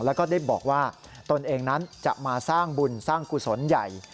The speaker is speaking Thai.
แล้วก็ได้บอกว่าตนเองนั้นจะมาสร้างบุญสร้างกุศลใหญ่